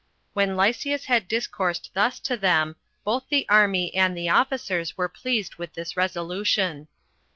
When Lysias had discoursed thus to them, both the army and the officers were pleased with this resolution.